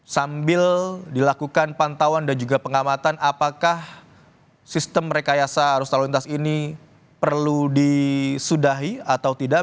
sambil dilakukan pantauan dan juga pengamatan apakah sistem rekayasa arus lalu lintas ini perlu disudahi atau tidak